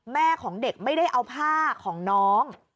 แม่ของเด็กไม่ได้เอาผ้าของน้อง